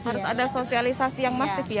harus ada sosialisasi yang masif ya